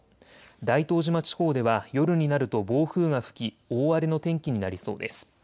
大東島地方では夜になると暴風が吹き大荒れの天気になりそうです。